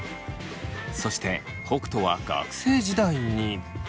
そして北斗は学生時代に。